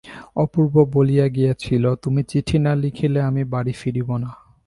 অপূর্ব বলিয়া গিয়াছিল, তুমি চিঠি না লিখিলে আমি বাড়ি ফিরিব না।